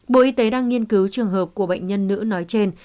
bộ y tế đang nghiên cứu trường hợp của bệnh nhân nữ nói trên